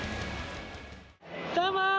どうも。